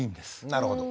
なるほど。